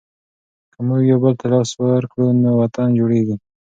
که موږ یوبل ته لاس ورکړو نو وطن جوړېږي.